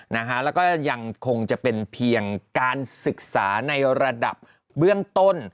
แล้วก็ยังคงจะเป็นเพียงการศึกษาในระดับเบื้องต้น